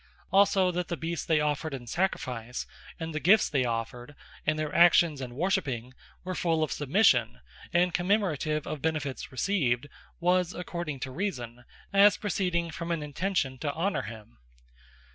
Also that the Beasts they offered in sacrifice, and the Gifts they offered, and their actions in Worshipping, were full of submission, and commemorative of benefits received, was according to reason, as proceeding from an intention to honour him.